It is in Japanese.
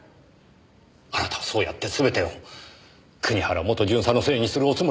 あなたはそうやって全てを国原元巡査のせいにするおつもりですか？